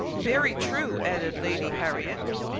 "Very true," added Lady Harriet.